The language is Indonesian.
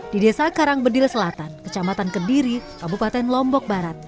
di desa karangbedil selatan kecamatan kediri kabupaten lombok barat